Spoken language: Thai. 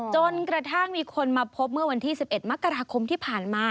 จนกระทั่งมีคนมาพบเมื่อวันที่๑๑มกราคมที่ผ่านมา